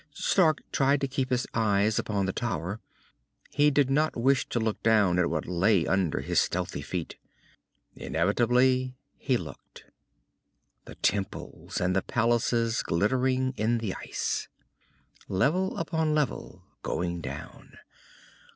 Stark tried to keep his eyes upon the tower. He did not wish to look down at what lay under his stealthy feet. Inevitably, he looked. The temples and the palaces glittering in the ice.... Level upon level, going down.